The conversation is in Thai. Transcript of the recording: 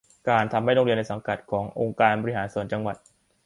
การทำให้โรงเรียนในสังกัดขององค์การบริหารส่วนจังหวัด